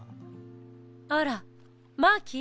あらマーキー。